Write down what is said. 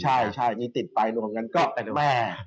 ใช่ใช่นี่ติดไปรวมกันก็แม่